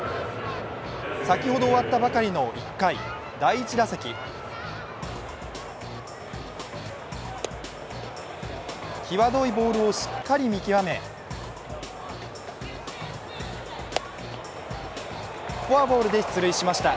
先ほど終わったばかりの１回、第１打席際どいボールをしっかり見極めフォアボールで出塁しました。